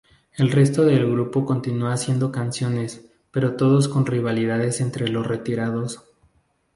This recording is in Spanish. El resto del grupo continua haciendo canciones, pero todos con rivalidades entre los retirados.